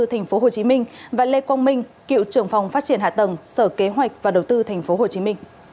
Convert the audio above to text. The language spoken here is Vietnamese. tp hcm và lê quang minh cựu trưởng phòng phát triển hạ tầng sở kế hoạch và đầu tư tp hcm